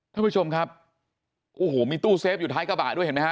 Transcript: ท่านผู้ชมครับโอ้โหมีตู้เซฟอยู่ท้ายกระบะด้วยเห็นไหมฮ